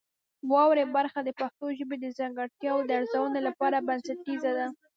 واورئ برخه د پښتو ژبې د ځانګړتیاوو د ارزونې لپاره بنسټیزه ده.